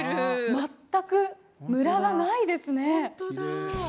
全くむらがないですね。